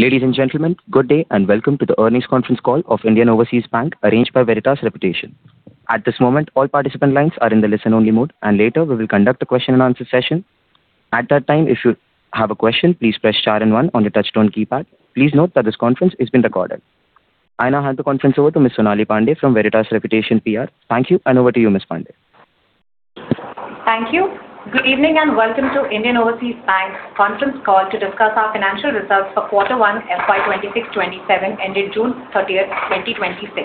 Ladies and gentlemen, good day, and welcome to the earnings conference call of Indian Overseas Bank arranged by Veritas Reputation PR. At this moment, all participant lines are in the listen-only mode, and later we will conduct a question and answer session. At that time, if you have a question, please press star and one on your touchtone keypad. Please note that this conference is being recorded. I now hand the conference over to Ms. Sonali Pandey from Veritas Reputation PR. Thank you, and over to you, Ms. Pandey. Thank you. Good evening, and welcome to Indian Overseas Bank's conference call to discuss our financial results for quarter one FY 2026/2027, ending June 30th, 2026.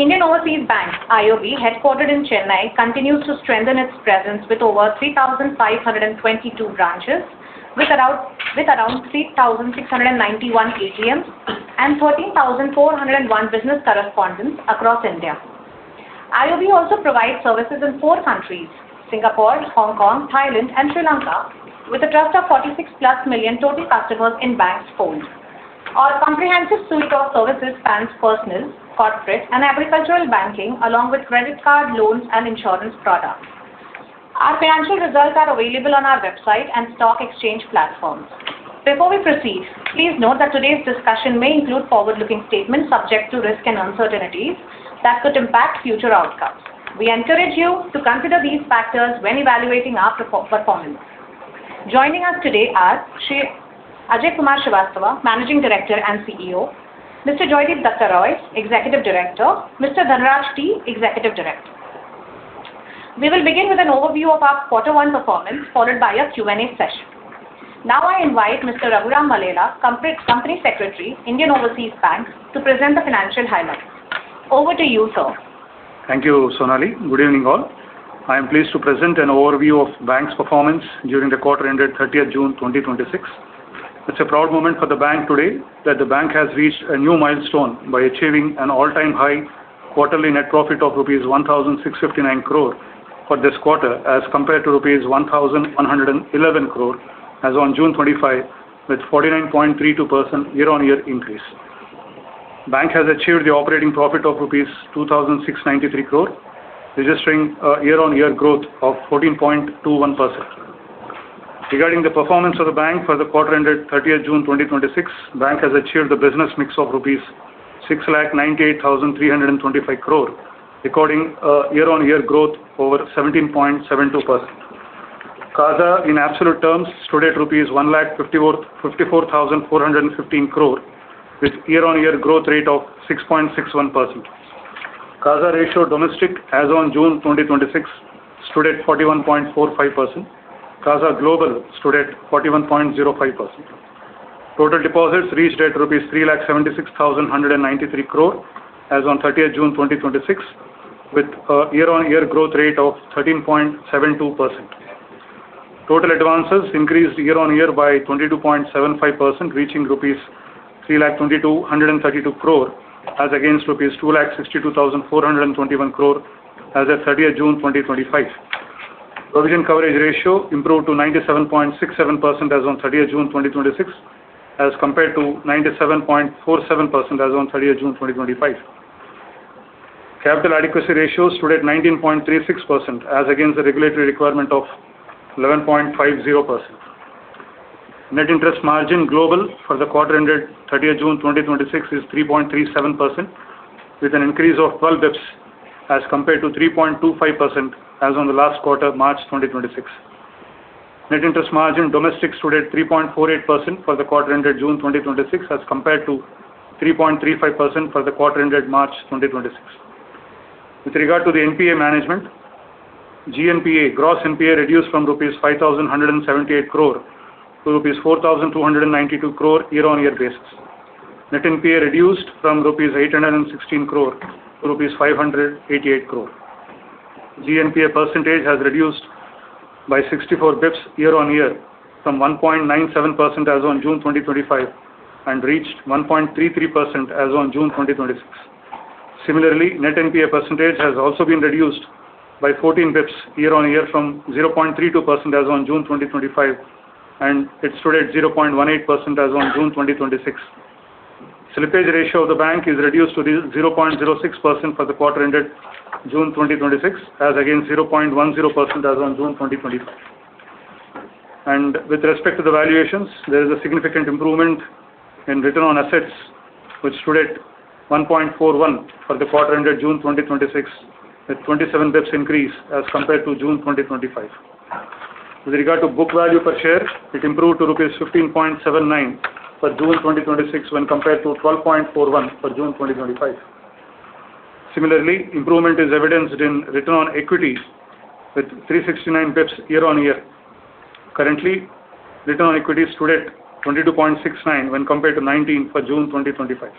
Indian Overseas Bank, IOB, headquartered in Chennai, continues to strengthen its presence with over 3,522 branches with around 3,691 ATMs and 14,401 business correspondents across India. IOB also provides services in four countries, Singapore, Hong Kong, Thailand, and Sri Lanka, with a trust of 46+ million total customers in bank's fold. Our comprehensive suite of services spans personal, corporate, and agricultural banking, along with credit card, loans, and insurance products. Our financial results are available on our website and stock exchange platforms. Before we proceed, please note that today's discussion may include forward-looking statements subject to risk and uncertainties that could impact future outcomes. We encourage you to consider these factors when evaluating our performance. Joining us today are Ajay Kumar Srivastava, Managing Director and CEO, Mr. Joydeep Dutta Roy, Executive Director, Mr. Dhanaraj T, Executive Director. We will begin with an overview of our quarter one performance, followed by a Q&A session. I invite Mr. Raghuram Mallela, Company Secretary, Indian Overseas Bank, to present the financial highlights. Over to you, sir. Thank you, Sonali. Good evening, all. I am pleased to present an overview of the bank's performance during the quarter ending 30th June 2026. It's a proud moment for the bank today that the bank has reached a new milestone by achieving an all-time high quarterly net profit of rupees 1,659 crores for this quarter, as compared to rupees 1,111 crores as on June 2025, with a 49.32% year-on-year increase. Bank has achieved the operating profit of 2,693 crores rupees, registering a year-on-year growth of 14.21%. Regarding the performance of the bank for the quarter ending 30th June 2026, bank has achieved a business mix of rupees 6,98,325 crores, recording a year-on-year growth over 17.72%. CASA in absolute terms stood at rupees 154,415 crores with year-on-year growth rate of 6.61%. CASA ratio domestic as on June 2026 stood at 41.45%. CASA global stood at 41.05%. Total deposits reached at rupees 376,193 crores as on 30th June 2026 with a year-on-year growth rate of 13.72%. Total advances increased year-on-year by 22.75%, reaching rupees 322,132 crores as against rupees 262,421 crores as at 30th June 2025. Provision coverage ratio improved to 97.67% as on 30th June 2026 as compared to 97.47% as on 30th June 2025. Capital adequacy ratio stood at 19.36% as against the regulatory requirement of 11.50%. Net interest margin global for the quarter ending 30th June 2026 is 3.37%, with an increase of 12 bps as compared to 3.25% as on the last quarter, March 2026. Net interest margin domestic stood at 3.48% for the quarter ending June 2026 as compared to 3.35% for the quarter ending March 2026. With regard to the NPA management, GNPA, Gross NPA, reduced from rupees 5,178 crores to rupees 4,292 crores year-on-year basis. Net NPA reduced from rupees 816 crores to rupees 588 crores. GNPA percentage has reduced by 64 basis points year-on-year from 1.97% as on June 2025 and reached 1.33% as on June 2026. Similarly, net NPA percentage has also been reduced by 14 basis points year-on-year from 0.32% as on June 2025, and it stood at 0.18% as on June 2026. Slippage ratio of the bank is reduced to 0.06% for the quarter ending June 2026 as against 0.10% as on June 2025. With respect to the valuations, there is a significant improvement in return on assets, which stood at 1.41% for the quarter ending June 2026, a 27 basis points increase as compared to June 2025. With regard to book value per share, it improved to rupees 15.79 for June 2026 when compared to 12.41 for June 2025. Similarly, improvement is evidenced in return on equity with 369 basis points year-on-year. Currently, return on equity stood at 22.69% when compared to 19% for June 2025.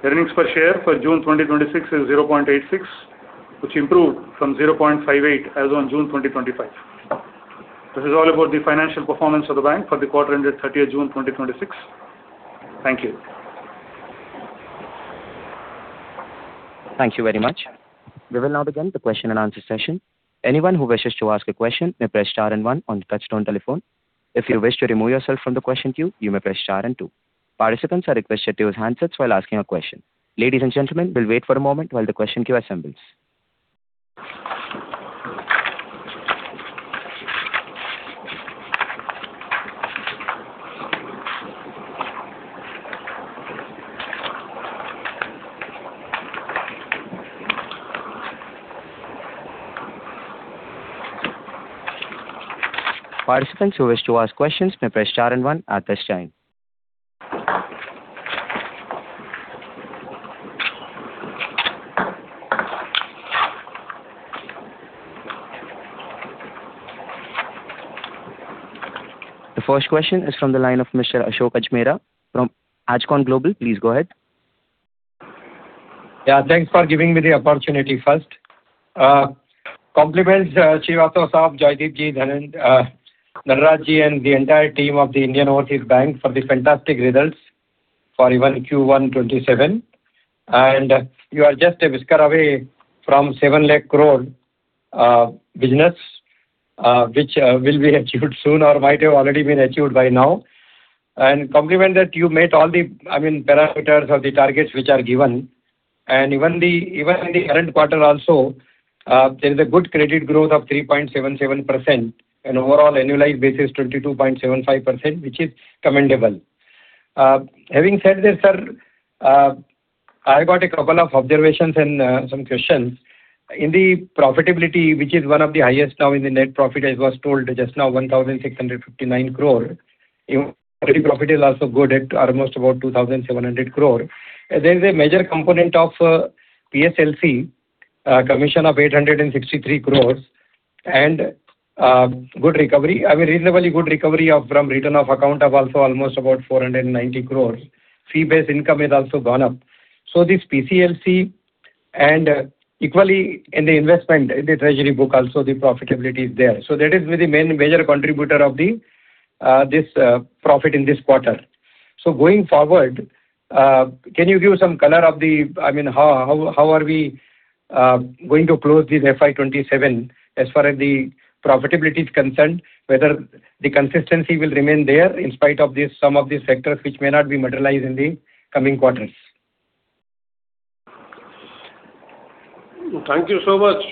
The earnings per share for June 2026 is 0.86, which improved from 0.58 as on June 2025. This is all about the financial performance of the bank for the quarter ending 30th June 2026. Thank you. Thank you very much. We will now begin the question and answer session. Anyone who wishes to ask a question may press star and one on the touchtone telephone. If you wish to remove yourself from the question queue, you may press star and two. Participants are requested to use handsets while asking a question. Ladies and gentlemen, we'll wait for a moment while the question queue assembles. Participants who wish to ask questions may press star and one at this time. The first question is from the line of Mr. Ashok Ajmera from Ajcon Global. Please go ahead. Yeah. Thanks for giving me the opportunity first. Compliments, Srivastava, Joydeep, Dhanaraj, and the entire team of the Indian Overseas Bank for the fantastic results for even Q1 2027. You are just a whisker away from 7 lakh crores business, which will be achieved soon or might have already been achieved by now. Compliment that you made all the parameters or the targets which are given. Even in the current quarter also, there is a good credit growth of 3.77%, an overall annualized basis 22.75%, which is commendable. Having said this, sir, I got a couple of observations and some questions. In the profitability, which is one of the highest now in the net profit, I was told just now 1,659 crores. Even pre-profit is also good at almost about 2,700 crores. There is a major component of PSLC, commission of 863 crores and reasonably good recovery from written-off account of also almost about 490 crores. Fee-based income has also gone up. This PSLC and equally in the investment, in the treasury book also, the profitability is there. That is the major contributor of this profit in this quarter. Going forward, can you give some color of how are we going to close this FY 2027 as far as the profitability is concerned, whether the consistency will remain there in spite of some of the sectors which may not be materialized in the coming quarters? Thank you so much.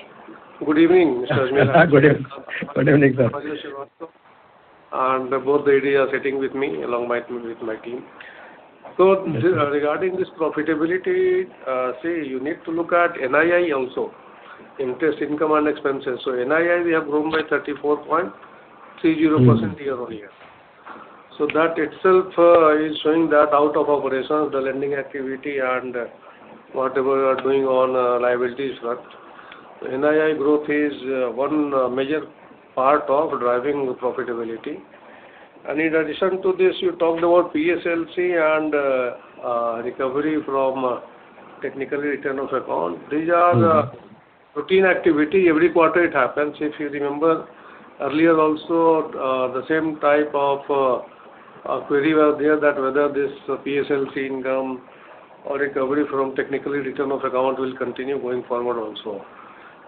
Good evening, Mr. Ajmera. Good evening, sir. This is Srivastava. Both the AD are sitting with me along with my team. Regarding this profitability, you need to look at NII also, interest income, and expenses. NII we have grown by 34.30% year-on-year. That itself is showing that out of operations, the lending activity and whatever you are doing on liabilities work. NII growth is one major part of driving profitability. In addition to this, you talked about PSLC and recovery from technical written-off account. These are routine activity. Every quarter it happens. If you remember earlier also, the same type of query was there that whether this PSLC income or recovery from technical written-off account will continue going forward also.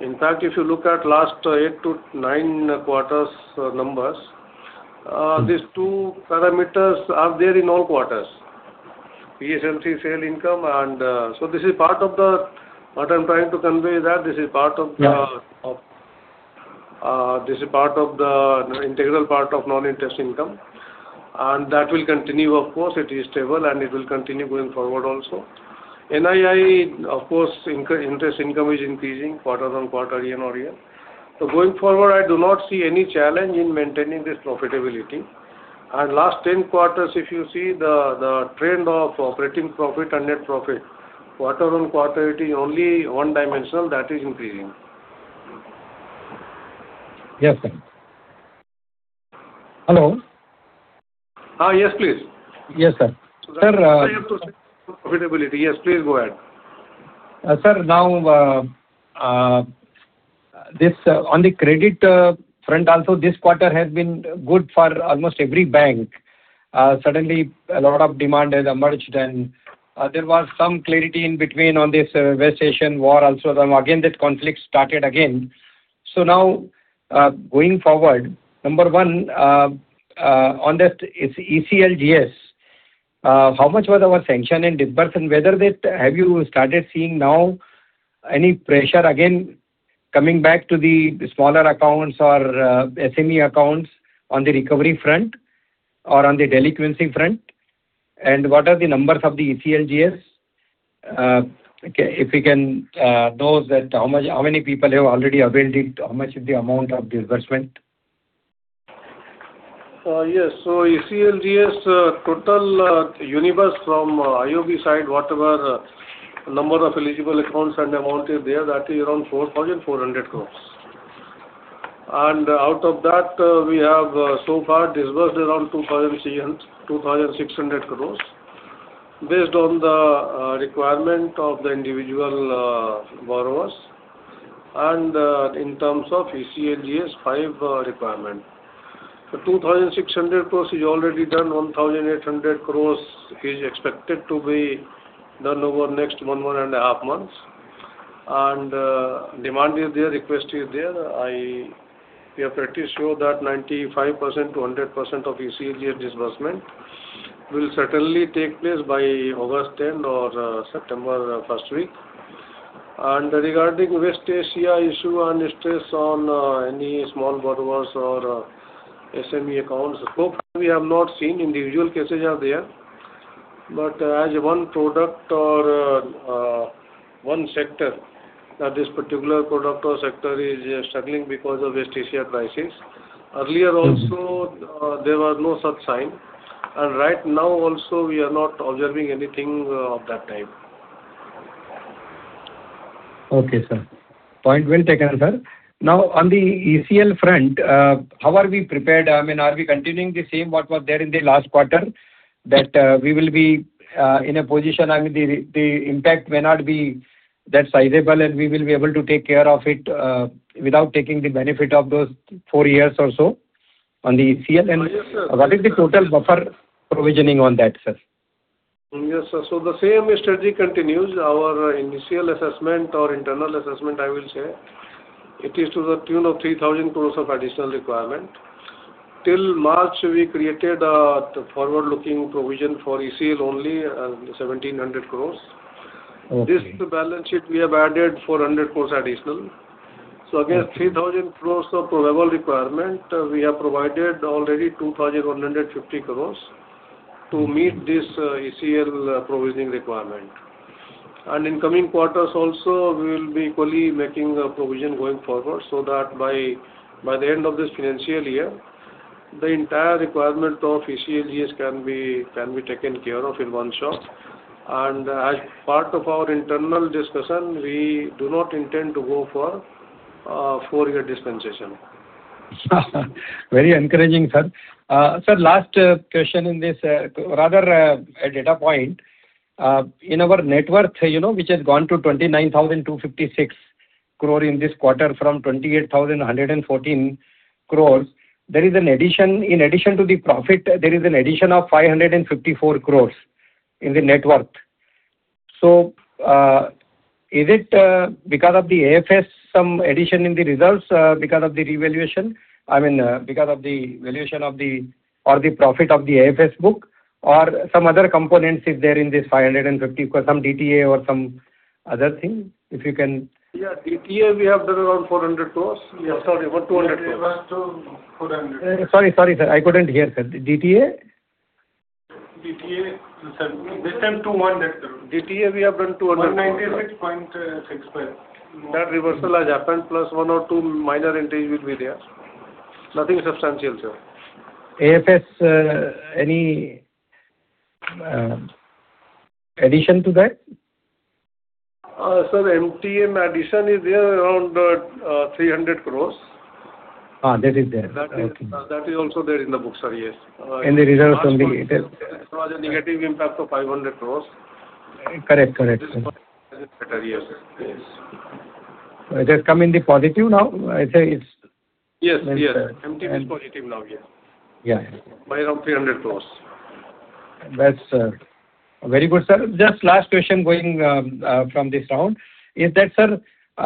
In fact, if you look at last eight to nine quarters' numbers, these two parameters are there in all quarters. PSLC sale income. What I'm trying to convey is that this is an integral part of non-interest income, and that will continue. Of course, it is stable, and it will continue going forward also. NII, of course, interest income is increasing quarter-on-quarter, year-on-year. Going forward, I do not see any challenge in maintaining this profitability. Last 10 quarters, if you see the trend of operating profit and net profit, quarter-on-quarter, it is only one dimensional, that is increasing. Yes, sir. Hello. Yes, please. Yes, sir. Profitability. Yes, please go ahead. Sir, on the credit front also, this quarter has been good for almost every bank. Suddenly, a lot of demand has emerged. There was some clarity in between on this West Asian war also. Again, that conflict started again. Now going forward, number one, on that ECLGS, how much was our sanction and disbursement, whether have you started seeing now any pressure again coming back to the smaller accounts or SME accounts on the recovery front or on the delinquency front? What are the numbers of the ECLGS? If you can, how many people have already availed it? How much is the amount of disbursement? Yes. ECLGS total universe from IOB side, whatever number of eligible accounts and amount is there, that is around 4,400 crores. Out of that, we have so far disbursed around 2,600 crores based on the requirement of the individual borrowers and in terms of ECLGS 5.0 Requirement. 2,600 crores is already done. 1,800 crores is expected to be done over the next 1.5 months. Demand is there, request is there. We are pretty sure that 95%-100% of ECLGS disbursement will certainly take place by August 10 or September first week. Regarding West Asia issue and stress on any small borrowers or SME accounts, so far we have not seen. Individual cases are there. As one product or one sector, that this particular product or sector is struggling because of West Asia crisis. Earlier also, there was no such sign, and right now also we are not observing anything of that type. Okay, sir. Point well taken, sir. Now, on the ECL front, how are we prepared? Are we continuing the same what was there in the last quarter, that we will be in a position, the impact may not be that sizable, and we will be able to take care of it without taking the benefit of those four years or so on the ECL? Yes, sir. What is the total buffer provisioning on that, sir? Yes, sir. The same strategy continues. Our initial assessment or internal assessment, I will say, it is to the tune of 3,000 crores of additional requirement. Till March, we created a forward-looking provision for ECL only 1,700 crores. Okay. This balance sheet, we have added 400 crores additional. Against 3,000 crores of provable requirement, we have provided already 2,150 crores to meet this ECL provisioning requirement. In coming quarters also, we will be equally making a provision going forward so that by the end of this financial year, the entire requirement of ECLs can be taken care of in one shot. As part of our internal discussion, we do not intend to go for a four-year dispensation. Very encouraging, sir. Sir, last question in this, rather a data point. In our net worth which has gone to 29,256 crores in this quarter from 28,114 crores. In addition to the profit, there is an addition of 554 crores in the net worth. Is it because of the AFS, some addition in the results because of the revaluation? Because of the valuation or the profit of the AFS book or some other components, if there in this 550 crores, some DTAA or some other thing? If you can? Yeah, DTAA we have done around 400 crores. Sorry, about 200 crores? Reverse to INR 400. Sorry, sir. I couldn't hear, sir. DTAA? DTAA. This time 200 crores, sir. DTAA, you have 200 crores? 196.65 crores. That reversal has happened, +1 or 2 minor entries will be there. Nothing substantial, sir. AFS, any addition to that? Sir, MTM addition is there around 300 crores. That is there. Okay. That is also there in the book, sir, yes. In the results only. Last quarter it was a negative impact of 500 crores. Correct. This quarter, it is better. Yes. It has come in the positive now? Yes. MTM is positive now. Yes. Yes. By around INR 300 crores. That's very good, sir. Just last question going from this round is that, sir,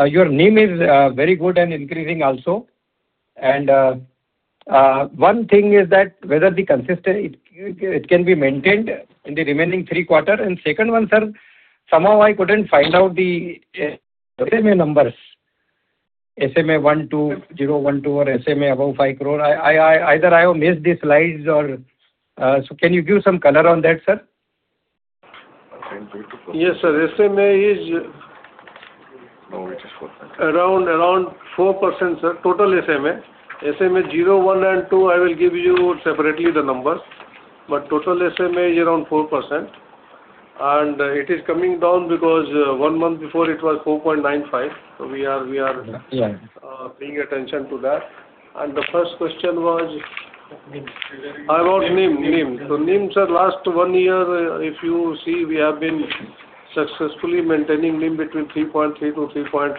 your NIM is very good and increasing also. One thing is that whether it can be maintained in the remaining three quarters. Second one, sir, somehow I couldn't find out the SMA numbers. SMA-0, 1, 2 or SMA above 5. Either I have missed the slides. Can you give some color on that, sir? Yes, sir. SMA is around 4%, sir. Total SMA. SMA-0, 1 and 2, I will give you separately the numbers, but total SMA is around 4%, and it is coming down because one month before it was 4.95%. Yeah. We are paying attention to that. The first question was? NIM. About NIM. NIM, sir, last one year, if you see, we have been successfully maintaining NIM between 3.3%-3.4%. This year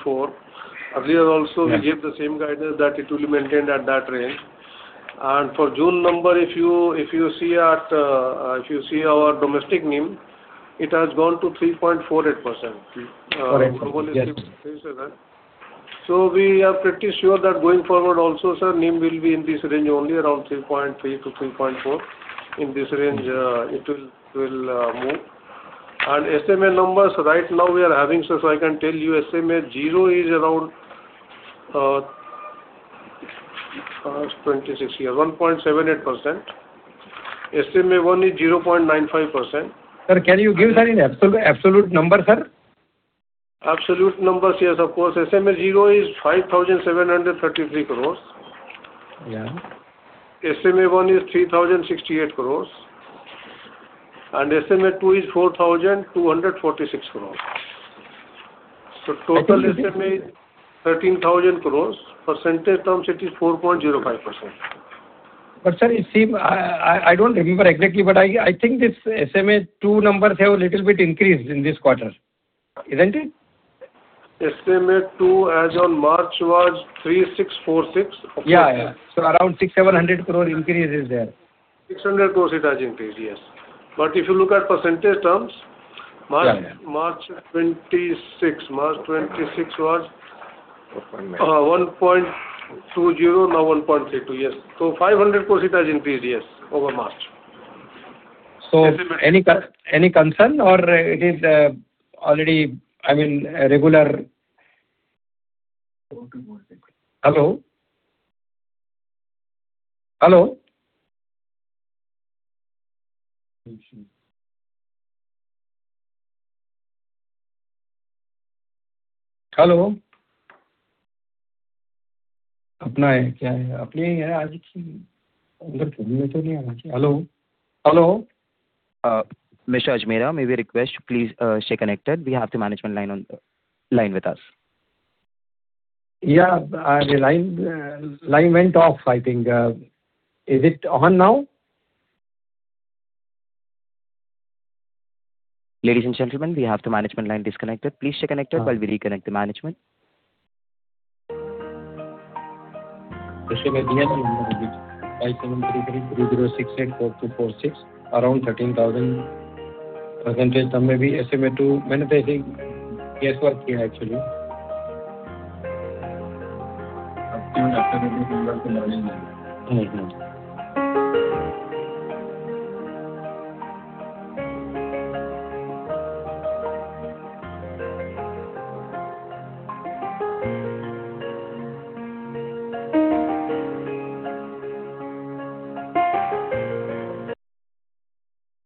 also we gave the same guidance that it will be maintained at that range. For June number, if you see our domestic NIM, it has gone to 3.48%. Correct. Yes. We are pretty sure that going forward also, sir, NIM will be in this range only around 3.3%-3.4%. In this range it will move. SMA numbers right now we are having, I can tell you SMA-0 is around 1.78%. SMA-1 is 0.95%. Sir, can you give that in absolute number, sir? Absolute numbers, yes, of course. SMA-0 is 5,733 crores. Yeah. SMA-1 is 3,068 crores and SMA-2 is 4,246 crores. Total SMA is 13,000 crores. Percentage terms, it is 4.05%. Sir, it seems I don't remember exactly. I think this SMA-2 numbers have a little bit increased in this quarter. Isn't it? SMA-2 as on March was INR 3,646 crores. Yeah. Around INR 600-INR 700 crores increase is there. INR 600 crores it has increased, yes. If you look at percentage terms. Yeah. March 26 was 1.20% now 1.32%. Yes. INR 500 crores it has increased, yes, over March. Any concern or it is already regular? Hello? Hello? Hello? Mr. Ajmera, may we request, please stay connected. We have the management line with us. Yeah. The line went off, I think. Is it on now? Ladies and gentlemen, we have the management line disconnected. Please stay connected while we reconnect the management.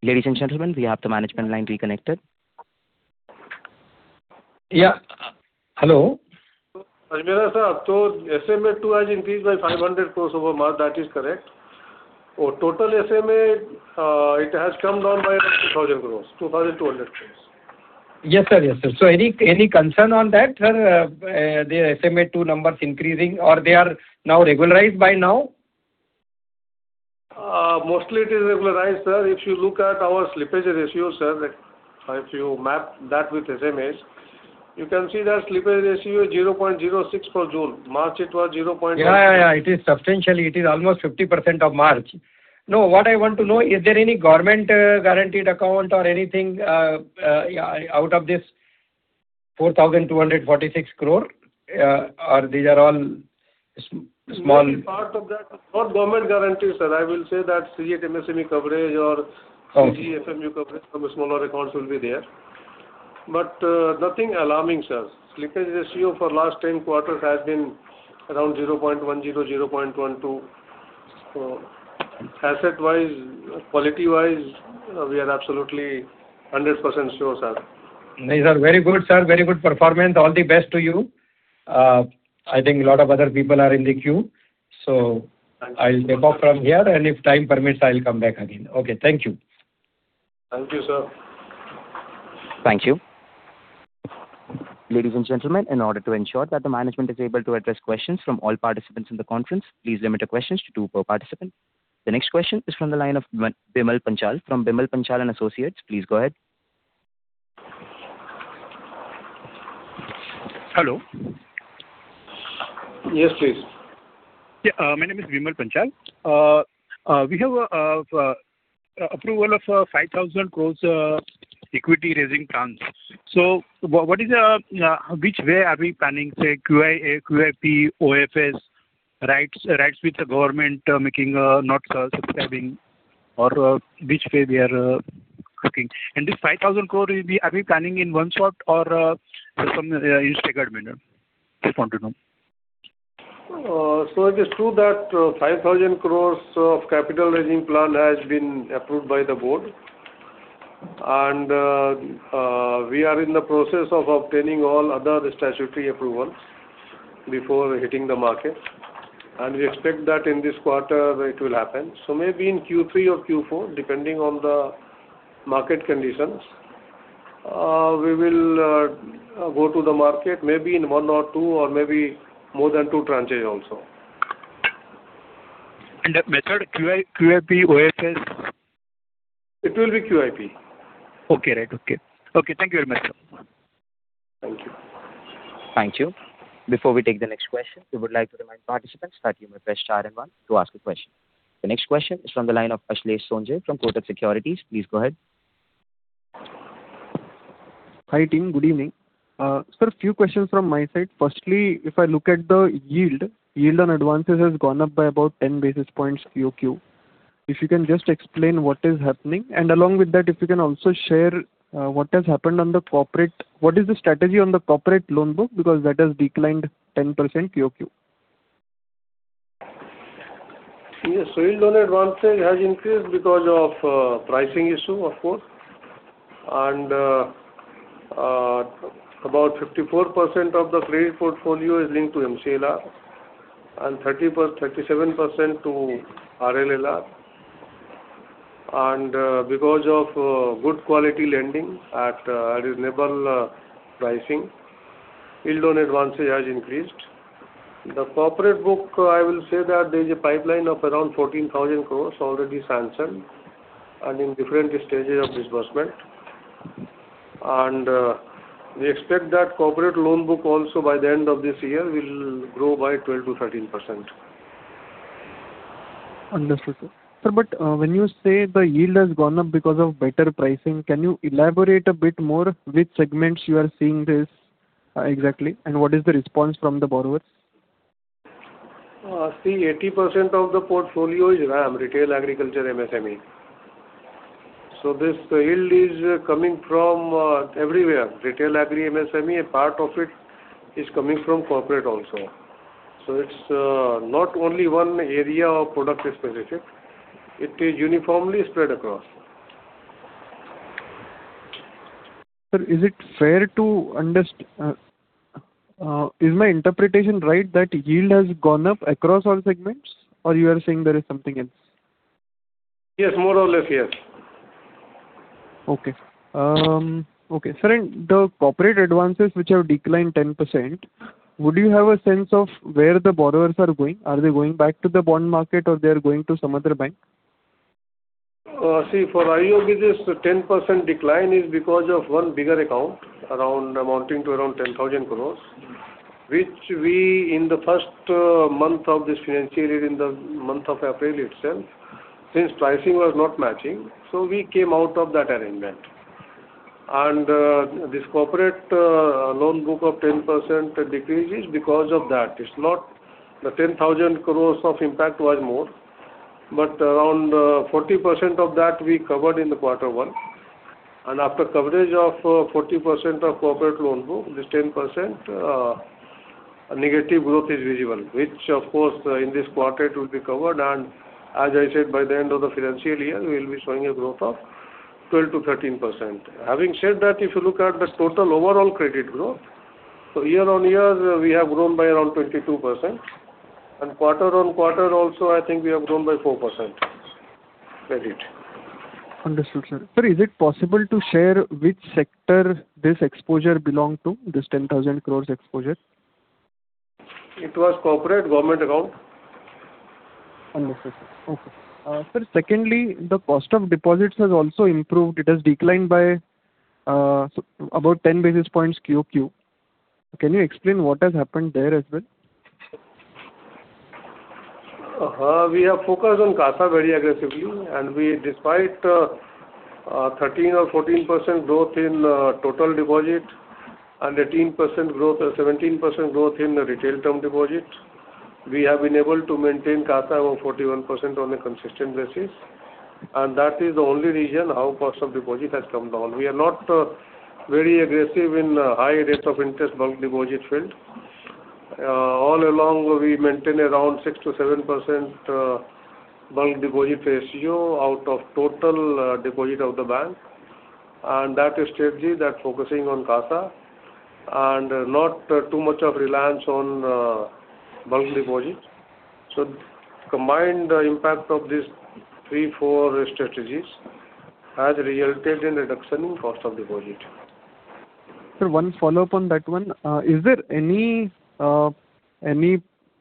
Ladies and gentlemen, we have the management line reconnected. Yeah. Hello. Ajmera sir, SMA-2 has increased by INR 500 crores over March. That is correct. Total SMA, it has come down by INR 2,000 crores-INR 2,200 crores. Yes, sir. Any concern on that, sir, the SMA-2 numbers increasing or they are now regularized by now? Mostly it is regularized, sir. If you look at our slippage ratio, sir, if you map that with SMAs, you can see that slippage ratio is 0.06% for June. March it was. Yeah. It is substantial. It is almost 50% of March. What I want to know, is there any government guaranteed account or anything out of this 4,246 crores, or these are all? Part of that, not government guaranteed, sir. I will say that CGTSME coverage or CGFMU coverage from smaller accounts will be there. Nothing alarming, sir. Slippage ratio for last 10 quarters has been around 0.10%-0.12%. Asset-wise, quality-wise, we are absolutely 100% sure, sir. Very good, sir. Very good performance. All the best to you. I think a lot of other people are in the queue. I'll step off from here and if time permits, I'll come back again. Okay. Thank you. Thank you, sir. Thank you. Ladies and gentlemen, in order to ensure that the management is able to address questions from all participants in the conference, please limit the questions to two per participant. The next question is from the line of Bimal Panchal from Bimal Panchal & Associates. Please go ahead. Hello. Yes, please. My name is Bimal Panchal. We have approval of 5,000 crores equity raising plans. Which way are we planning, say, QIP, OFS, rights with the Government making not subscribing or which way we are looking? This 5,000 crores, are we planning in one shot or in installment? Just wanted to know. It is true that 5,000 crores of capital raising plan has been approved by the Board, and we are in the process of obtaining all other statutory approvals before hitting the market. We expect that in this quarter it will happen. Maybe in Q3 or Q4, depending on the market conditions, we will go to the market maybe in one or two or maybe more than two tranches also. The method, QIP, OFS? It will be QIP. Okay. Thank you very much, sir. Thank you. Thank you. Before we take the next question, we would like to remind participants that you may press star and one to ask a question. The next question is from the line of Ashlesh Sonje from Kotak Securities. Please go ahead. Hi, team. Good evening. Sir, few questions from my side. Firstly, if I look at the yield on advances has gone up by about 10 basis points QoQ. If you can just explain what is happening, and along with that, if you can also share what has happened on the corporate. What is the strategy on the corporate loan book because that has declined 10% QoQ? Yes. Yield on advances has increased because of pricing issue, of course. About 54% of the credit portfolio is linked to MCLR and 37% to RLLR. Because of good quality lending at reasonable pricing, yield on advances has increased. The corporate book, I will say that there is a pipeline of around 14,000 crores already sanctioned and in different stages of disbursement. We expect that corporate loan book also by the end of this year will grow by 12%-13%. Understood, sir. Sir, when you say the yield has gone up because of better pricing, can you elaborate a bit more which segments you are seeing this exactly, and what is the response from the borrowers? See, 80% of the portfolio is RAM, Retail, Agriculture and MSME. This yield is coming from everywhere, Retail, Agriculture, and MSME, a part of it is coming from corporate also. It is not only one area or product specific. It is uniformly spread across. Sir, is my interpretation right that yield has gone up across all segment? Or you are saying there is something else? Yes, more or less, yes. Okay. Sir, in the corporate advances which have declined 10%, would you have a sense of where the borrowers are going? Are they going back to the bond market or they are going to some other bank? See, for IOB this 10% decline is because of one bigger account amounting to around 10,000 crores, which we in the first month of this financial year, in the month of April itself, since pricing was not matching, we came out of that arrangement. This corporate loan book of 10% decrease is because of that. The 10,000 crores of impact was more, but around 40% of that we covered in the quarter one. After coverage of 40% of corporate loan book, this 10% negative growth is visible, which of course in this quarter it will be covered and as I said, by the end of the financial year, we'll be showing a growth of 12%-13%. Having said that, if you look at the total overall credit growth, year-on-year, we have grown by around 22%. Quarter-on-quarter also, I think we have grown by 4%. That's it. Understood, sir. Sir, is it possible to share which sector this exposure belong to, this 10,000 crores exposure? It was corporate government account. Understood, sir. Okay. Sir, secondly, the cost of deposits has also improved. It has declined by about 10 basis points QoQ. Can you explain what has happened there as well? We have focused on CASA very aggressively and despite 13% or 14% growth in total deposit and 18% growth or 17% growth in retail term deposit, we have been able to maintain CASA of 41% on a consistent basis, and that is the only reason how cost of deposit has come down. We are not very aggressive in high rates of interest bulk deposit field. All along, we maintain around 6%-7% bulk deposit ratio out of total deposit of the bank, and that strategy that focusing on CASA and not too much of reliance on bulk deposit. Combined impact of these three, four strategies has resulted in reduction in cost of deposit. Sir, one follow-up on that one. Is there any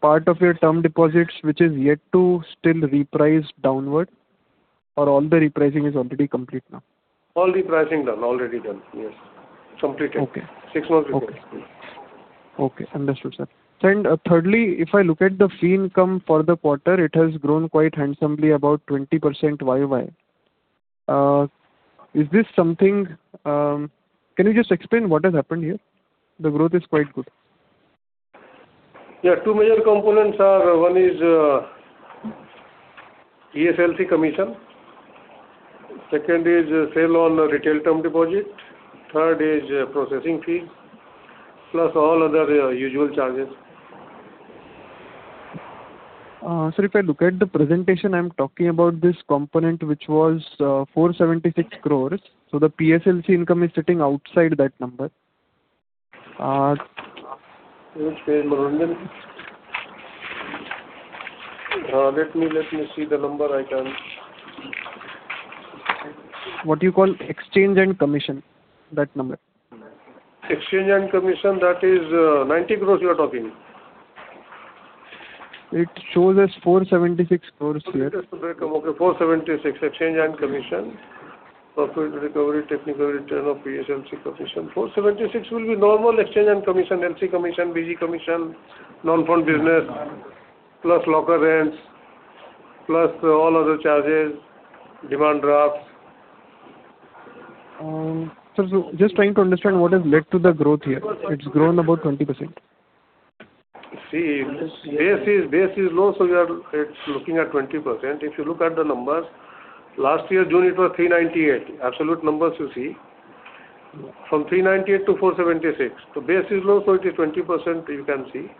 part of your term deposits which is yet to still reprice downward or all the repricing is already complete now? All repricing done. Already done. Yes. Completed. Okay. Six months ago. Okay. Understood, sir. Sir, thirdly, if I look at the fee income for the quarter, it has grown quite handsomely about 20% YoY. Can you just explain what has happened here? The growth is quite good. Yeah. Two major components are, one is PSLC commission, second is sale on retail term deposit, third is processing fee, plus all other usual charges. Sir, if I look at the presentation, I'm talking about this component which was 476 crores, so the PSLC income is sitting outside that number? Let me see the number. I can't- What you call exchange and commission, that number. Exchange and commission, that is 90 crores you're talking. It shows as 476 crores here. Okay, 476 crores exchange and commission. Perfect recovery, technical return of PSLC commission. 476 crores will be normal exchange and commission, LC commission, BG commission, non-fund business, plus locker rents, plus all other charges, demand drafts. Sir, just trying to understand what has led to the growth here. It's grown about 20%? See, base is low, so it's looking at 20%. If you look at the numbers, last year June it was 398 crores, absolute numbers you see. From 398 crores-476 crores. Base is low, so it is 20% you can see.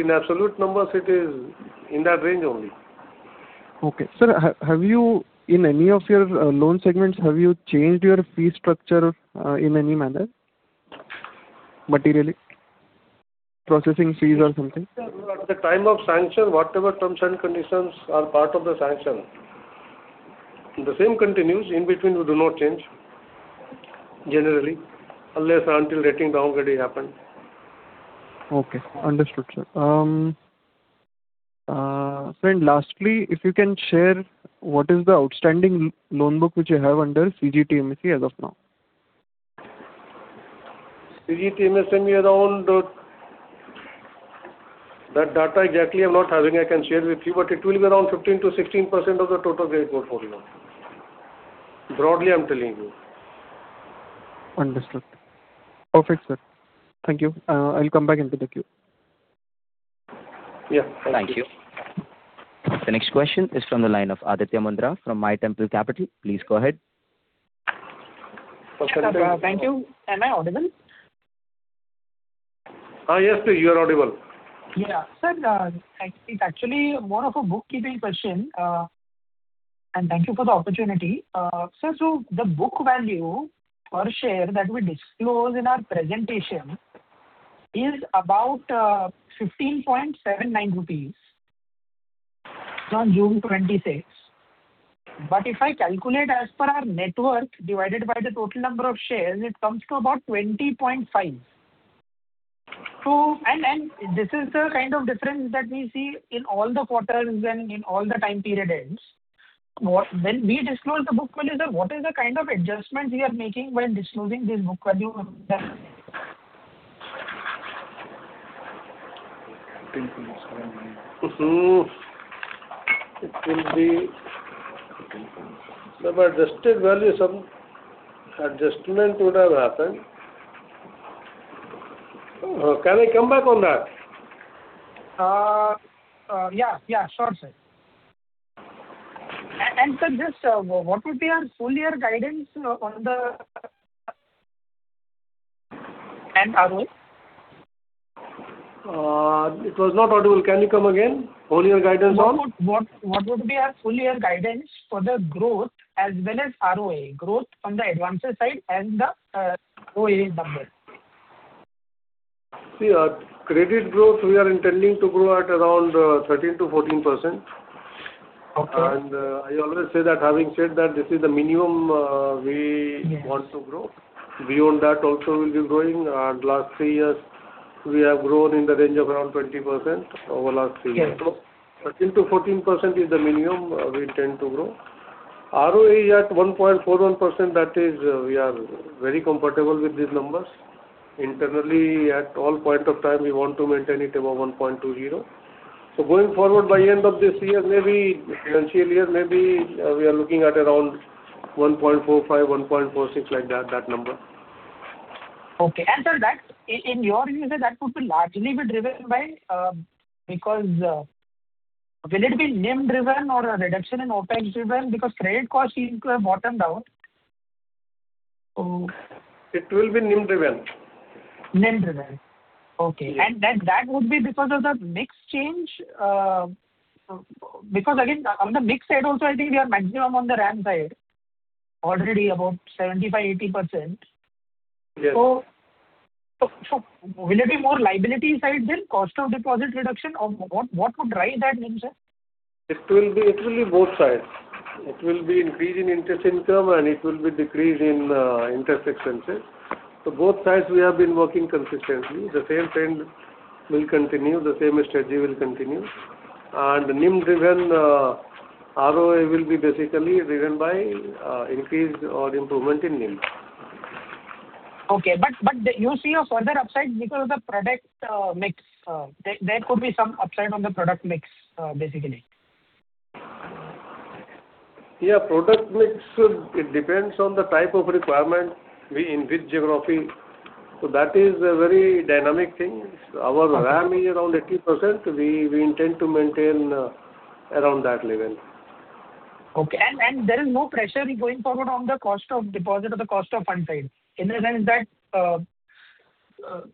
In absolute numbers, it is in that range only. Okay. Sir, in any of your loan segments, have you changed your fee structure in any manner materially? Processing fees or something. At the time of sanction, whatever terms and conditions are part of the sanction, the same continues. In between, we do not change generally unless and until rating downgrade happened. Okay. Understood, sir. Sir, lastly, if you can share what is the outstanding loan book which you have under CGTMSE as of now? CGTMSE around that data exactly I'm not having, I can share with you, but it will be around 15%-16% of the total credit portfolio. Broadly, I'm telling you. Understood. Perfect, sir. Thank you. I'll come back into the queue. Yeah. Thank you. Thank you. The next question is from the line of Aditya Mundra from MyTemple Capital. Please go ahead. Thank you. Am I audible? Yes, please. You are audible. Yeah. Sir, it's actually more of a bookkeeping question. Thank you for the opportunity. Sir, the book value per share that we disclose in our presentation is about 15.79 rupees from June 26. If I calculate as per our net worth divided by the total number of shares, it comes to about 20.5. This is the kind of difference that we see in all the quarters and in all the time period ends. When we disclose the book value, sir, what is the kind of adjustments we are making when disclosing this book value? It will be some adjusted value, some adjustment would have happened. Can I come back on that? Yeah. Sure, sir. Sir, just what would be your full year guidance on the ROE? It was not audible. Can you come again? Full year guidance on? What would be your full year guidance for the growth as well as ROE? Growth on the advances side and the ROE numbers. See, our credit growth, we are intending to grow at around 13%-14%. Okay. I always say that having said that, this is the minimum we want to grow. Beyond that also, we'll be growing. Last three years, we have grown in the range of around 20%, over last three years. Yes. 13%-14% is the minimum we intend to grow. ROA at 1.41%, that is, we are very comfortable with these numbers. Internally, at all point of time, we want to maintain it above 1.20%. Going forward by end of this year maybe, financial year maybe, we are looking at around 1.45%-1.46% like that number. Okay. Sir, in your view, that would largely driven by, will it be NIM driven or a reduction in OpEx driven? Because credit cost seems to have bottomed out. It will be NIM driven. NIM driven. Okay. That would be because of the mix change. Because again, on the mix side also, I think we are maximum on the RAM side, already about 75%-80%. Yes. Will it be more liability side then, cost of deposit reduction? What would drive that NIM, sir? It will be both sides. It will be increase in interest income and it will be decrease in interest expenses. Both sides we have been working consistently. The same trend will continue, the same strategy will continue. NIM driven ROE will be basically driven by increase or improvement in NIM. Okay. You see a further upside because of the product mix. There could be some upside on the product mix, basically? Yeah, product mix, it depends on the type of requirement in which geography. That is a very dynamic thing. Our RAM is around 80%. We intend to maintain around that level. Okay. There is no pressure going forward on the cost of deposit or the cost of fund side, in the sense that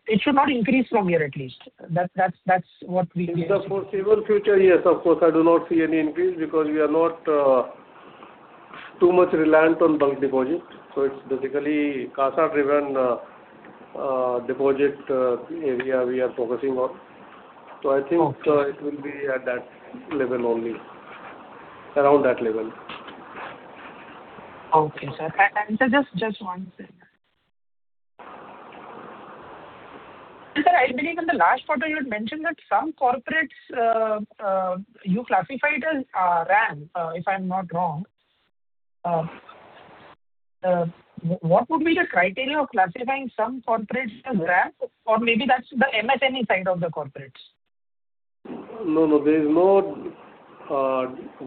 it should not increase from here, at least. That's what we can see. In the foreseeable future, yes, of course, I do not see any increase because we are not too much reliant on bulk deposit. It's basically CASA driven deposit area we are focusing on. I think it will be at that level only. Around that level. Okay, sir. Sir, just one second. Sir, I believe in the last quarter you had mentioned that some corporates, you classified as RAM, if I'm not wrong. What would be the criteria of classifying some corporates as RAM? Or maybe that's the MSME side of the corporates. No. There is no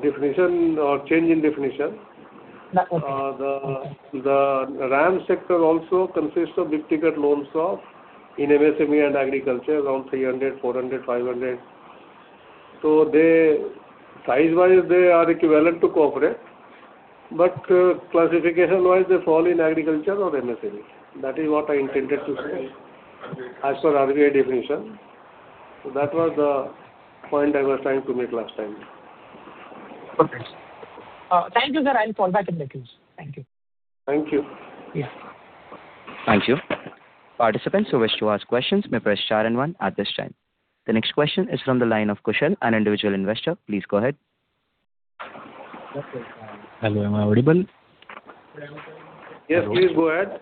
definition or change in definition. Okay. The RAM sector also consists of big ticket loans in MSME and agriculture, around 300, 400, 500. Size-wise, they are equivalent to corporate, but classification-wise, they fall in agriculture or MSME. That is what I intended to say. As per RBI definition. That was the point I was trying to make last time. Okay. Thank you, sir. I'll fall back in the queue. Thank you. Thank you. Yeah. Thank you. Participants who wish to ask questions may press star and one at this time. The next question is from the line of [Kushal], an Individual Investor. Please go ahead. Hello, am I audible? Yes, please go ahead.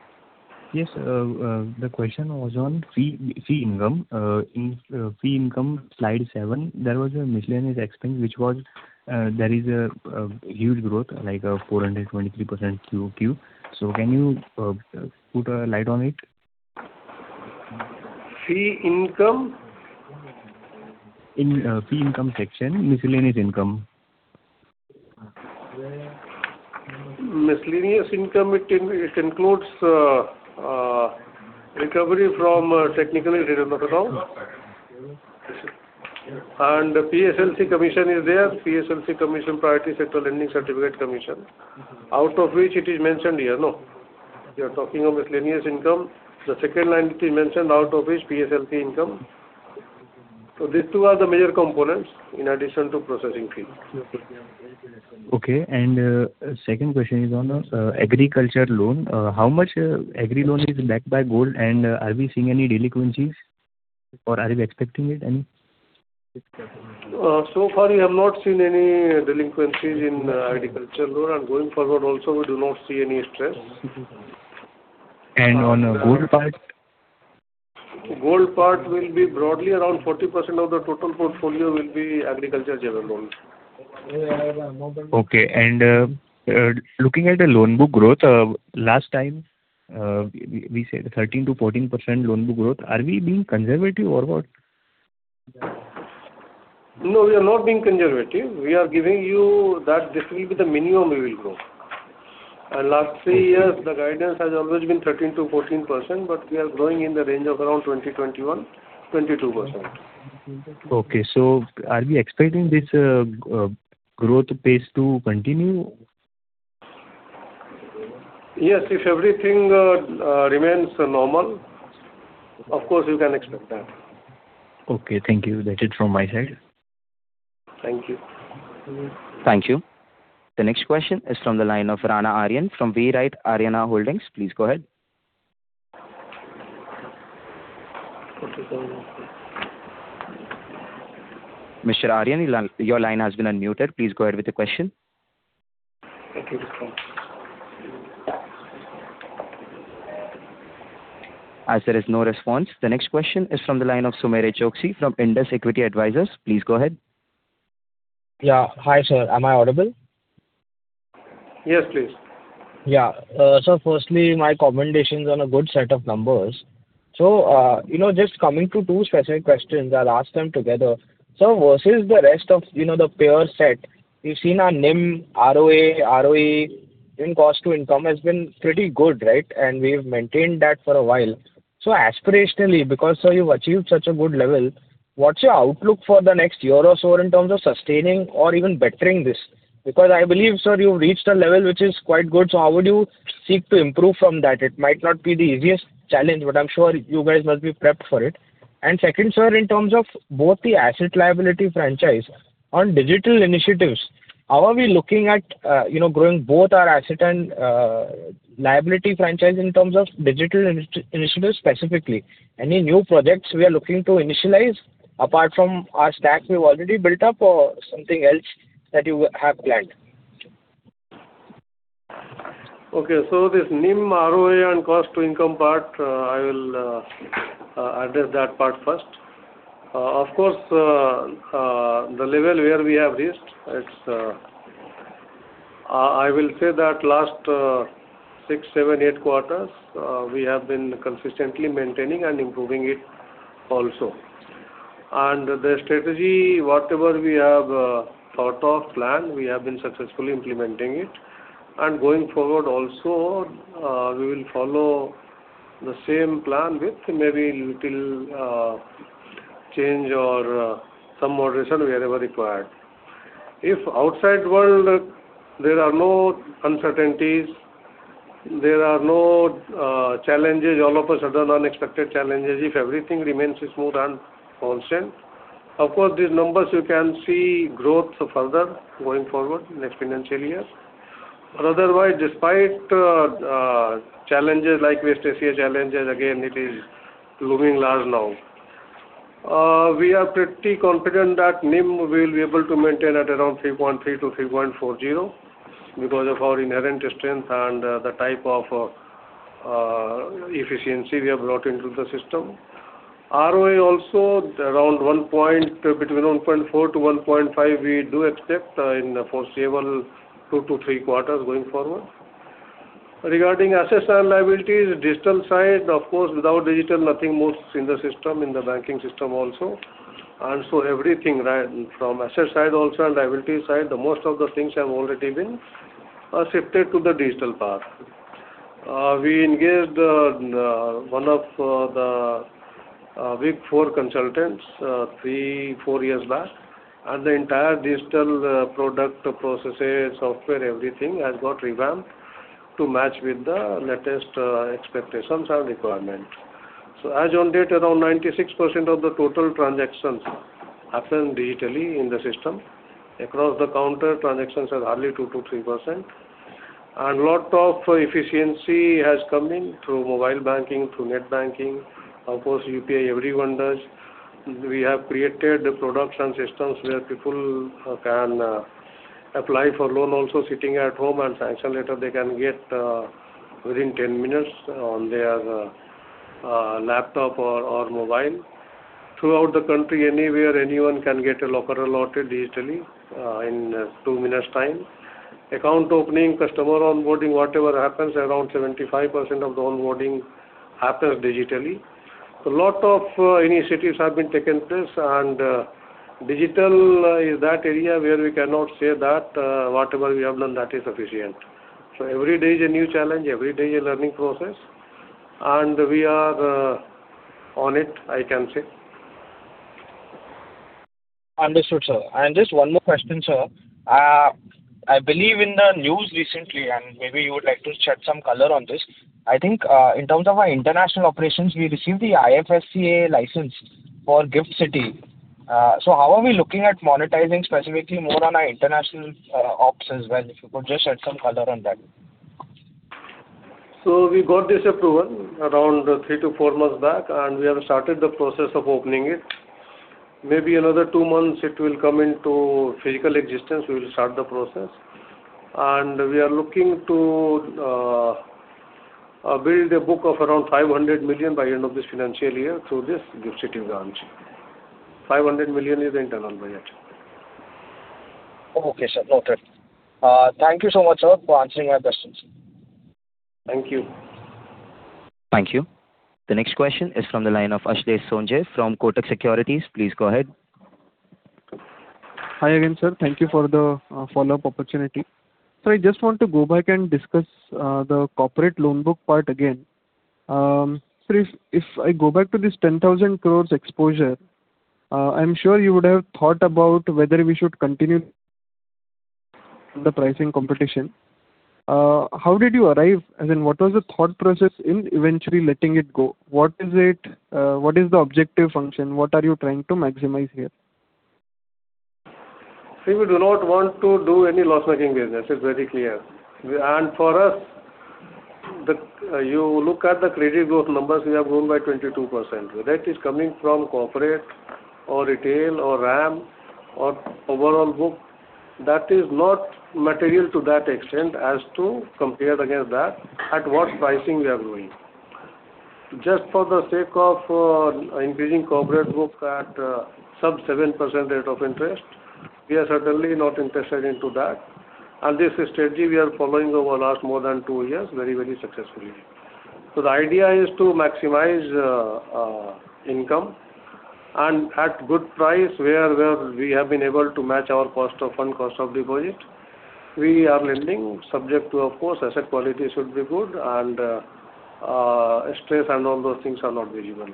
Yes. The question was on fee income. In fee income, slide seven, there was a miscellaneous expense which was, there is a huge growth, like 423% QoQ. Can you put a light on it? Fee income? In fee income section, miscellaneous income. Miscellaneous income, it includes recovery from technically written off accounts. PSLC commission is there. PSLC commission, Priority Sector Lending Certificate commission, out of which it is mentioned here. You are talking of miscellaneous income. The second line it is mentioned out of is PSLC income. These two are the major components in addition to processing fee. Okay. Second question is on agriculture loan. How much agriculture loan is backed by gold and are we seeing any delinquencies? Or are we expecting it any? So far we have not seen any delinquencies in agriculture loan and going forward also we do not see any stress. On gold part? Gold part will be broadly around 40% of the total portfolio will be agriculture general loans. Okay. Looking at the loan book growth, last time we said 13%-14% loan book growth. Are we being conservative or what? No, we are not being conservative. We are giving you that this will be the minimum we will grow. Last three years the guidance has always been 13%-14%, we are growing in the range of around 2021, 22%. Okay. Are we expecting this growth pace to continue? Yes, if everything remains normal, of course you can expect that. Okay, thank you. That's it from my side. Thank you. Thank you. The next question is from the line of Rana Aryan from Vright Aaryana Holdings. Please go ahead. Mr. Aryan, your line has been unmuted. Please go ahead with the question. As there is no response, the next question is from the line of Sumera Choksi from Indus Equity Advisors. Please go ahead. Yeah. Hi sir, am I audible? Yes, please. Sir, firstly my commendations on a good set of numbers. Just coming to two specific questions, I'll ask them together. Sir, versus the rest of the peer set, we've seen our NIM, ROA, ROE in cost to income has been pretty good. We've maintained that for a while. Aspirationally, because sir you've achieved such a good level, what's your outlook for the next year or so in terms of sustaining or even bettering this? Because I believe, sir, you've reached a level which is quite good, so how would you seek to improve from that? It might not be the easiest challenge, but I'm sure you guys must be prepped for it. Second, sir, in terms of both the asset liability franchise on digital initiatives, how are we looking at growing both our asset and liability franchise in terms of digital initiatives specifically? Any new projects we are looking to initialize apart from our stack we've already built up or something else that you have planned? This NIM, ROA, and cost to income part, I will address that part first. Of course, the level where we have reached, I will say that last six, seven, eight quarters we have been consistently maintaining and improving it also. The strategy, whatever we have thought of, planned, we have been successfully implementing it. Going forward also, we will follow the same plan with maybe little change or some moderation wherever required. If outside world there are no uncertainties, there are no challenges all of a sudden, unexpected challenges, if everything remains smooth and constant, of course these numbers you can see growth further going forward next financial year. Otherwise despite challenges like West Asia challenges, again it is looming large now. We are pretty confident that NIM we'll be able to maintain at around 3.3%-3.40% because of our inherent strength and the type of efficiency we have brought into the system. ROE also between 1.4%-1.5% we do expect in foreseeable two to three quarters going forward. Regarding assets and liabilities, digital side, of course without digital nothing moves in the system, in the banking system also. Everything from asset side also and liability side, most of the things have already been shifted to the digital path. We engaged one of the big four consultants three, four years back and the entire digital product processes, software, everything has got revamped to match with the latest expectations and requirement. As on date around 96% of the total transactions happen digitally in the system. Across the counter transactions are hardly 2%-3%. Lot of efficiency has come in through mobile banking, through net banking. Of course, UPI everyone does. We have created products and systems where people can apply for loan also sitting at home and sanction letter they can get within 10 minutes on their laptop or mobile. Throughout the country, anywhere, anyone can get a locker allotted digitally in two minutes' time. Account opening, customer onboarding, whatever happens, around 75% of the onboarding happens digitally. Lot of initiatives have been taken place and digital is that area where we cannot say that whatever we have done that is sufficient. Every day is a new challenge, every day a learning process, and we are on it, I can say. Understood, sir. Just one more question, sir. I believe in the news recently, and maybe you would like to shed some color on this. I think, in terms of our international operations, we received the IFSCA license for GIFT City. How are we looking at monetizing specifically more on our international options? If you could just shed some color on that. We got this approval around three to four months back, and we have started the process of opening it. Maybe another two months, it will come into physical existence. We will start the process. We are looking to build a book of around 500 million by end of this financial year through this GIFT City branch. 500 million is the internal budget. Okay, sir. Noted. Thank you so much, sir, for answering our questions. Thank you. Thank you. The next question is from the line of Ashlesh Sonje from Kotak Securities. Please go ahead. Hi again, sir. Thank you for the follow-up opportunity. Sir, I just want to go back and discuss the corporate loan book part again. Sir, if I go back to this 10,000 crores exposure, I'm sure you would have thought about whether we should continue the pricing competition. How did you arrive, and then what was the thought process in eventually letting it go? What is the objective function? What are you trying to maximize here? We do not want to do any loss-making business. It's very clear. For us, you look at the credit growth numbers, we have grown by 22%. Whether that is coming from corporate or retail or RAM or overall book, that is not material to that extent as to compare against that, at what pricing we are growing. Just for the sake of increasing corporate book at sub 7% rate of interest, we are certainly not interested into that. This strategy we are following over last more than two years very successfully. The idea is to maximize income and at good price where we have been able to match our cost of fund, cost of deposit. We are lending subject to, of course, asset quality should be good and stress and all those things are not visible.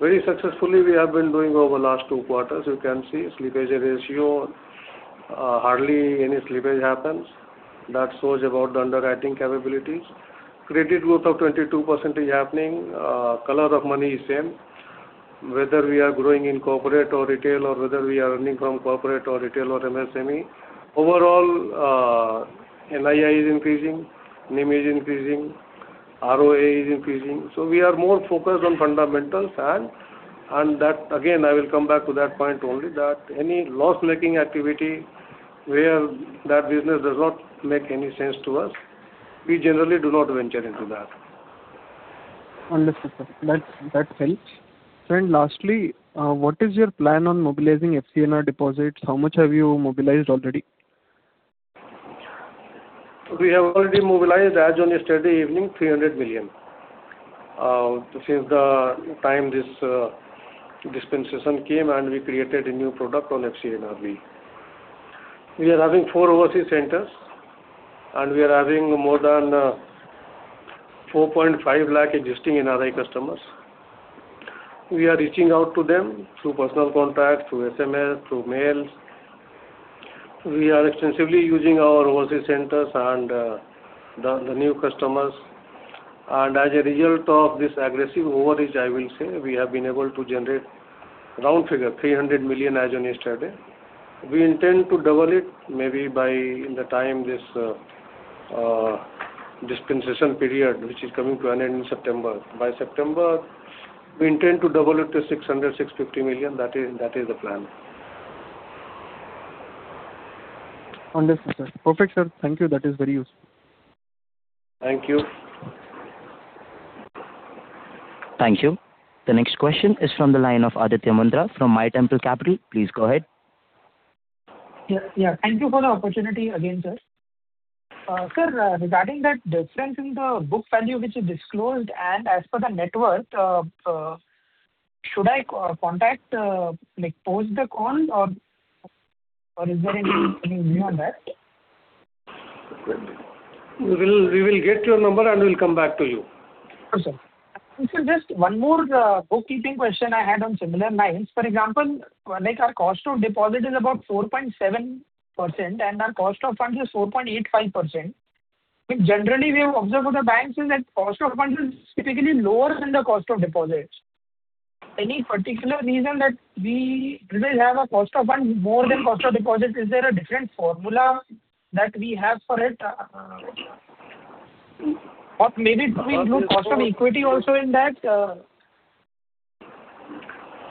Very successfully we have been doing over last two quarters. You can see slippage ratio, hardly any slippage happens. That shows about the underwriting capabilities. Credit growth of 22% is happening. Color of money is same. Whether we are growing in corporate or retail, or whether we are earning from corporate or retail or MSME, overall NII is increasing, NIM is increasing, ROA is increasing. We are more focused on fundamentals and that, again, I will come back to that point only that any loss-making activity where that business does not make any sense to us, we generally do not venture into that. Understood, sir. That helps. Lastly, what is your plan on mobilizing FCNR deposits? How much have you mobilized already? We have already mobilized, as on yesterday evening, $300 million. Since the time this dispensation came and we created a new product on FCNRB. We are having four overseas centers and we are having more than 4.5 lakh existing NRI customers. We are reaching out to them through personal contacts, through SMS, through mails. We are extensively using our overseas centers and the new customers. As a result of this aggressive outreach, I will say, we have been able to generate round figure, $300 million as on yesterday. We intend to double it maybe by the time this dispensation period, which is coming to an end in September. By September, we intend to double it to $600 million-$650 million. That is the plan. Understood, sir. Perfect, sir. Thank you. That is very useful. Thank you. Thank you. The next question is from the line of Aditya Mundra from MyTemple Capital. Please go ahead. Yeah. Thank you for the opportunity again, sir. Sir, regarding that difference in the book value which you disclosed and as per the net worth, should I contact post the call or is there any view on that? We will get your number and we'll come back to you. Sure, sir. Sir, just one more bookkeeping question I had on similar lines. For example, our cost of deposit is about 4.7%, and our cost of funds is 4.85%. Generally, we have observed with the banks is that cost of funds is typically lower than the cost of deposits. Any particular reason that we will have a cost of funds more than cost of deposits? Is there a different formula that we have for it? Or maybe do we look cost of equity also in that?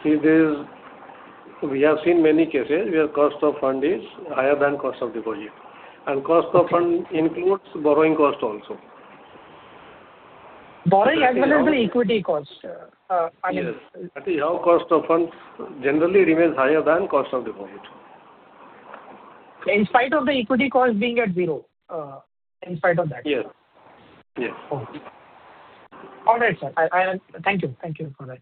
See, we have seen many cases where cost of fund is higher than cost of deposit, and cost of fund includes borrowing cost also. Borrowing as well as the equity cost. Yes. Actually, our cost of funds, generally it remains higher than cost of deposit. In spite of the equity cost being at zero. In spite of that. Yes. Okay. All right, sir. Thank you for that.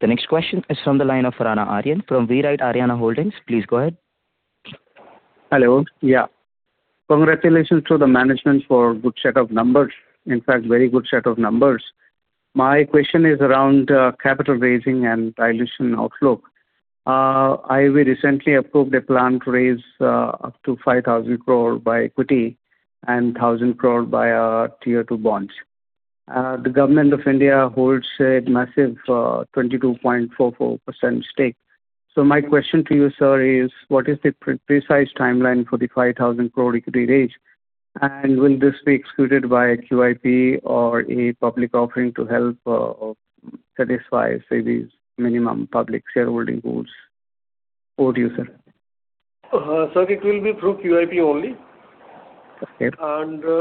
The next question is from the line of Rana Aryan from Vright Aaryana Holdings. Please go ahead. Hello. Congratulations to the management for good set of numbers. In fact, very good set of numbers. My question is around capital raising and dilution outlook. IOB recently approved a plan to raise up to 5,000 crores by equity and 1,000 crores via Tier 2 bonds. The Government of India holds a massive 22.44% stake. My question to you, sir, is what is the precise timeline for the 5,000 crores equity raise, and will this be executed by QIP or a public offering to help satisfy SEBI's minimum public shareholding holds for you, sir? Sir, it will be through QIP only. Okay.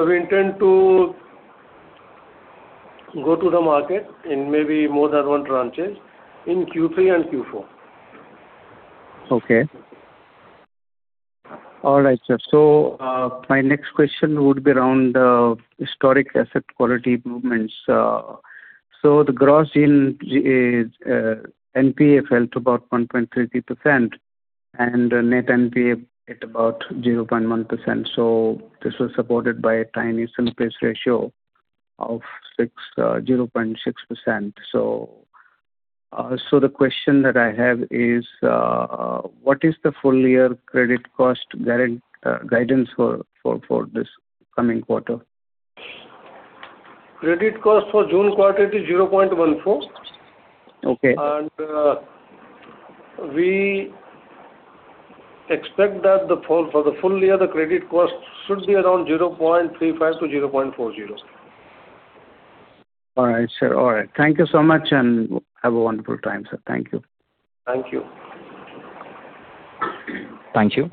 We intend to go to the market in maybe more than one tranches in Q3 and Q4. Okay. All right, sir. My next question would be around historic asset quality movements. The gross NPAs fell to about 1.33% and net NPA at about 0.1%. This was supported by a tiny slippage ratio of 0.6%. The question that I have is, what is the full year credit cost guidance for this coming quarter? Credit cost for June quarter is 0.24%. Okay. We expect that for the full year, the credit cost should be around 0.35%-0.40%. All right, sir. Thank you so much and have a wonderful time, sir. Thank you. Thank you. Thank you.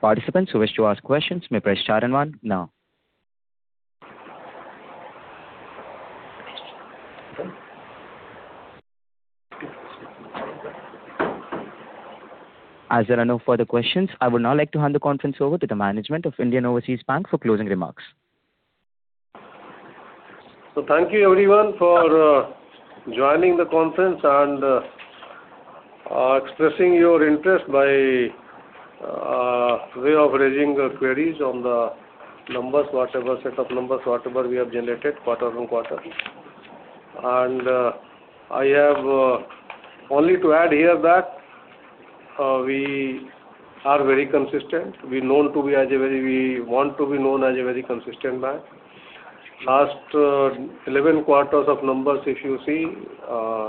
Participants who wish to ask questions may press star and one now. As there are no further questions, I would now like to hand the conference over to the management of Indian Overseas Bank for closing remarks. Thank you everyone for joining the conference and expressing your interest by way of raising queries on the set of numbers whatever we have generated quarter-on-quarter. I have only to add here that we are very consistent. We want to be known as a very consistent bank. Last 11 quarters of numbers, if you see,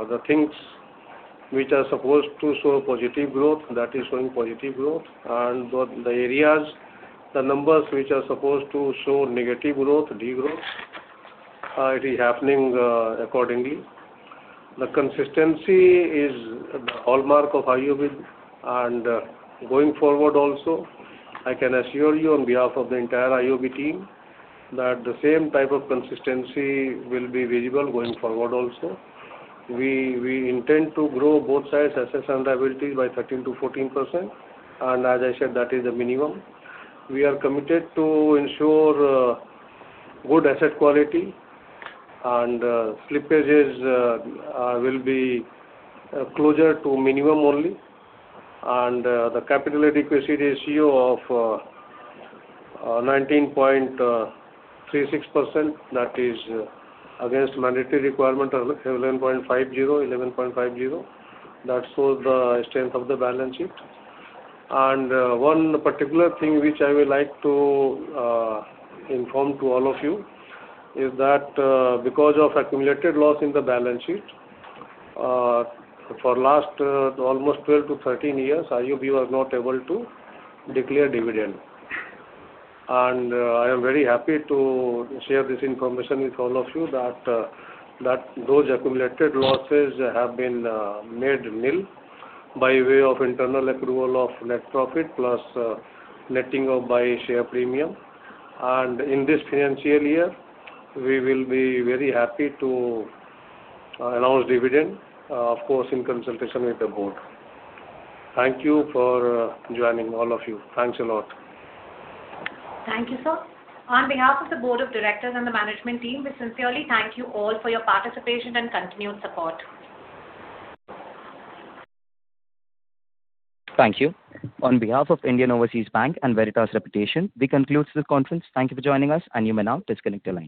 the things which are supposed to show positive growth, that is showing positive growth, and the areas, the numbers which are supposed to show negative growth, de-growth, it is happening accordingly. The consistency is the hallmark of IOB. Going forward also, I can assure you on behalf of the entire IOB team that the same type of consistency will be visible going forward also. We intend to grow both sides assets and liabilities by 13%-14%, and as I said, that is the minimum. We are committed to ensure good asset quality and slippages will be closer to minimum only. The capital adequacy ratio of 19.36%, that is against mandatory requirement of 11.50%. That shows the strength of the balance sheet. One particular thing which I would like to inform to all of you is that because of accumulated loss in the balance sheet, for last almost 12-13 years, IOB was not able to declare dividend. I am very happy to share this information with all of you that those accumulated losses have been made nil by way of internal accrual of net profit plus netting of by share premium. In this financial year, we will be very happy to announce dividend, of course, in consultation with the board. Thank you for joining, all of you. Thanks a lot. Thank you, sir. On behalf of the Board of Directors and the management team, we sincerely thank you all for your participation and continued support. Thank you. On behalf of Indian Overseas Bank and Veritas Reputation, this concludes this conference. Thank you for joining us and you may now disconnect your lines.